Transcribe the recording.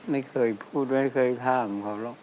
ไม่เคยพูดไม่เคยถามเขาหรอก